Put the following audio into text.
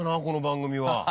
この番組は。